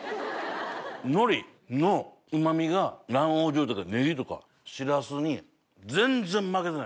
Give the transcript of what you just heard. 海苔のうま味が卵黄醤油とかねぎとかしらすに全然負けてないです。